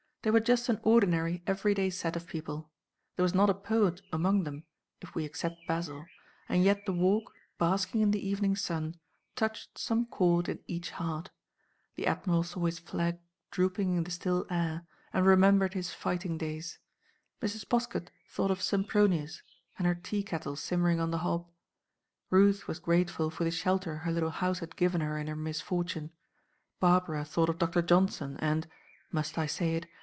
They were just an ordinary, every day set of people. There was not a poet among them, if we except Basil, and yet the Walk, basking in the evening sun, touched some chord in each heart. The Admiral saw his flag drooping in the still air, and remembered his fighting days; Mrs. Poskett thought of Sempronius, and her tea kettle simmering on the hob; Ruth was grateful for the shelter her little house had given her in her misfortune; Barbara thought of Doctor Johnson and—must I say it?